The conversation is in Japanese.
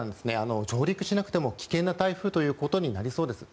上陸しなくても危険な台風ということになりそうです。